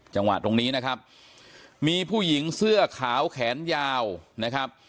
จังหวะตรงนี้นะครับมีผู้หญิงเสื้อขาวแขนยาวนะครับ